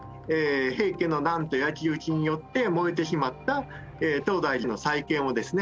平家の南都焼討によって燃えてしまった東大寺の再建をですね